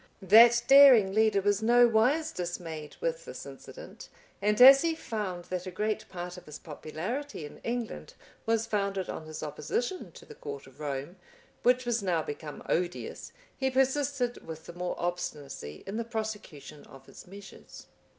That daring leader was nowise dismayed with this incident; and as he found that a great part of his popularity in England was founded on his opposition to the court of Rome, which was now become odious, he persisted with the more obstinacy in the prosecution of his measures.